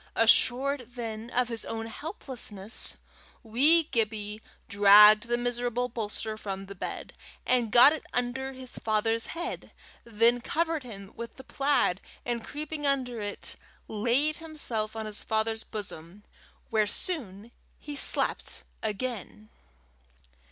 Assured then of his own helplessness, wee Gibbie dragged the miserable bolster from the bed, and got it under his father's head; then covered him with the plaid, and creeping under it, laid himself on his father's bosom, where soon he slept again.